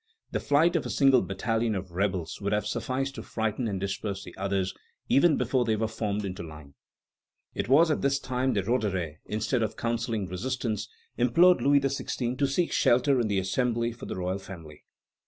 The flight of a single battalion of rebels would have sufficed to frighten and disperse the others, even before they were formed into line." It was at this time that Roederer, instead of counselling resistance, implored Louis XVI. to seek shelter in the Assembly for the royal family.